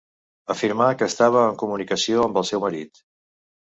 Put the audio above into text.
Afirmà que estava en comunicació amb el seu marit.